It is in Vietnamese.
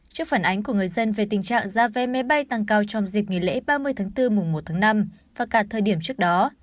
trước phản ánh của người dân về tình trạng giá vé máy bay tăng cao trong dịp nghỉ lễ ba mươi tháng bốn mùa một tháng năm và cả thời điểm trước đó